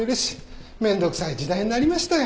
面倒くさい時代になりましたよ。